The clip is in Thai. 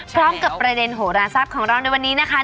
พร้อมกับประเด็นโหลาซับของเราในวันนี้นะคะ